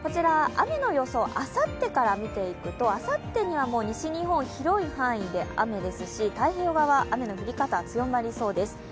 雨の予想、あさってから見ていくとあさってには西日本、広い範囲で雨ですし太平洋側、雨の降り方、強まりそうです。